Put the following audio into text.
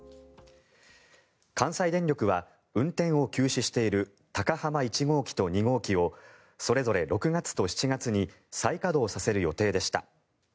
関西電力は運転を休止している高浜１号機と２号機をそれぞれ６月と７月に再稼働させる予定でした。